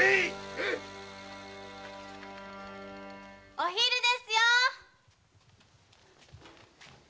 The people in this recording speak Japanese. お昼ですよ。